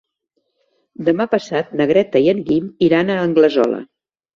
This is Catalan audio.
Demà passat na Greta i en Guim iran a Anglesola.